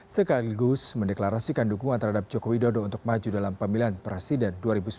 sekaligus mendeklarasikan dukungan terhadap joko widodo untuk maju dalam pemilihan presiden dua ribu sembilan belas